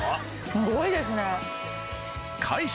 すごいですね。